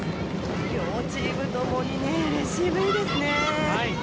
両チームともにレシーブいいですね。